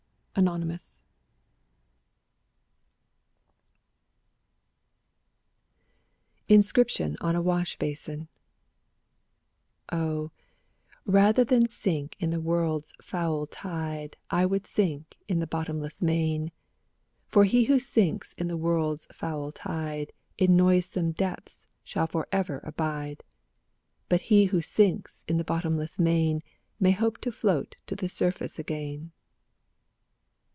Anon lO INSCRIPTION ON A WASH BASIN Oh, rather than sink in the world's foul tide I would sink in the bottomless main; For he who sinks in the world's foul tide In noisome depths shall for ever abide, But he who sinks in the bottomless main May hope to float to the surface again.